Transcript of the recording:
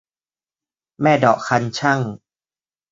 แม่เดาะคันชั่ง